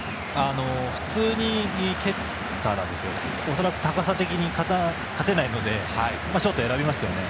普通に蹴ったら恐らく高さ的に勝てないのでショートを選びましたよね。